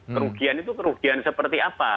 kerugian itu kerugian seperti apa